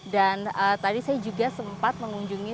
dan tadi saya juga sempat mengunjungi